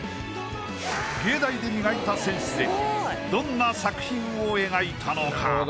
芸大で磨いたセンスでどんな作品を描いたのか？